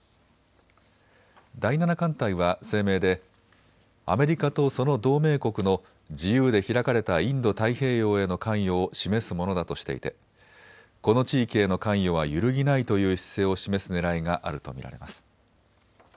第７艦隊は声明でアメリカとその同盟国の自由で開かれたインド太平洋への関与を示すものだとしていてこの地域への関与は揺るぎないという姿勢を示すねらいがあると見られます。